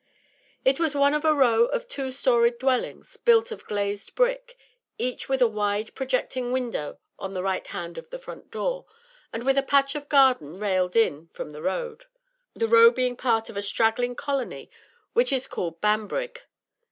It was one of a row of two storied dwellings, built of glazed brick, each with a wide projecting window on the right hand of the front door, and with a patch of garden railed in from the road, the row being part of a straggling colony which is called Banbrigg.